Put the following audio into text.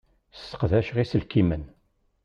Sseqdaceɣ iselkimen.